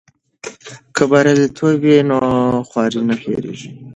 که بریالیتوب وي نو خواري نه هېریږي.